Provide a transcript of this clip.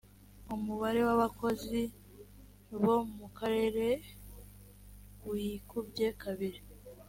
umubare w abakozi bo mu karere wikubye kabiri